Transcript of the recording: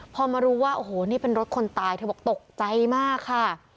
พอมารู้ว่าโอ้โหนี่เป็นรถคนตายเธอบอกตกใจมากค่ะ